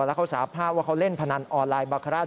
แล้วเขาสาภาพว่าเขาเล่นพนันออนไลน์บาคาราช